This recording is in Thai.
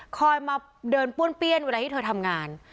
คอยมาเดินป้วนเปี้ยนเวลาที่เธอทำงาน